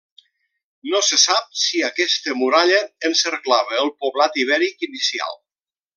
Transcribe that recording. No se sap si aquesta muralla encerclava el poblat ibèric inicial.